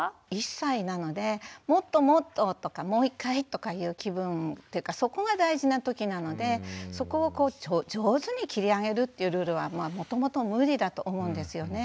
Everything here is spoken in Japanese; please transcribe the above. １歳なのでもっともっととかもう一回とかいう気分っていうかそこが大事な時なのでそこを上手に切り上げるっていうルールはもともと無理だと思うんですよね。